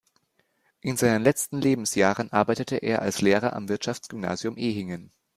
In seinen letzten Lebensjahren arbeitete er als Lehrer am Wirtschaftsgymnasium Ehingen.